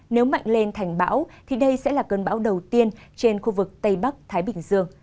nếu mạnh lên thành bão thì đây sẽ là cơn bão đầu tiên trên khu vực tây bắc thái bình dương